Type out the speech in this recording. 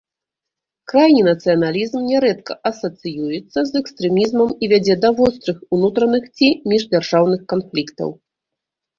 Крайні нацыяналізм нярэдка асацыюецца з экстрэмізмам і вядзе да вострых унутраных ці міждзяржаўных канфліктаў.